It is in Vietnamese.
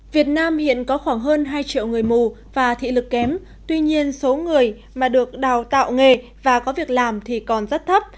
việt nam hiện có khoảng hơn hai triệu người mù và thị lực kém tuy nhiên số người mà được đào tạo nghề và có việc làm thì còn rất thấp